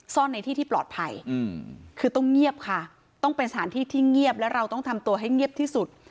ในที่ที่ปลอดภัยคือต้องเงียบค่ะต้องเป็นสถานที่ที่เงียบและเราต้องทำตัวให้เงียบที่สุด